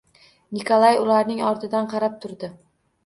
Nikolay ularning ortidan qarab turdi